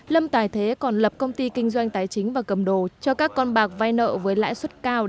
lâm tài thế còn lập công ty kinh doanh tái chính và cầm đồ cho các con bạc vai nợ với lãi suất cao